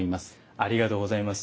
ありがとうございます。